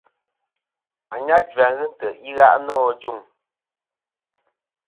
Ànyajua ghɨ ntè' i gha' nô ajuŋ.